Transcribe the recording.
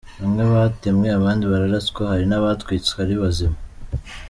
Bamwe batemwe, abandi bararaswa, hari n’abatwitswe ari bazima.